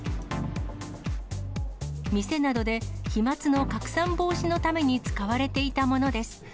店などで飛まつの拡散防止のために使われていたものです。